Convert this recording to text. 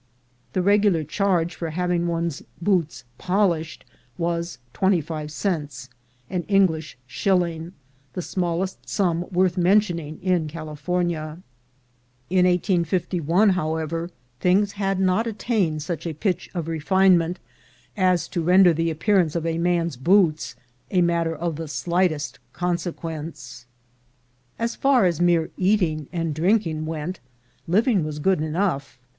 The regular charge for having one's boots polished was twenty five cents, an English shilling — the smallest sum worth mentioning in California. In 1851, however, things had not attained such a pitch of refinement as to render the appearance of a man's boots a matter of the slightest consequence. As far as mere eating and drinking went, living was good enough.